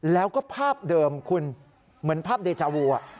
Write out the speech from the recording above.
แล้วก็ภาพเดิมคุณเหมือนภาพเดจาวู